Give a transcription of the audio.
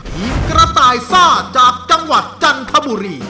ทีมกระต่ายซ่าจากจังหวัดจันทบุรี